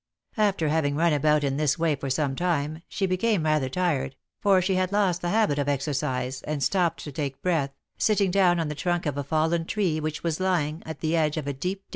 After having run about in this way for some time, she became rather tired, for she had lost the habit of exercise, and stopped to take breath, sitting down on the trunk of a fallen tree which was lying at the edge of a deep ditch.